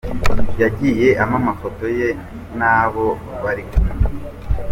Yagiye ampa amafoto ye n’abo barikumwe.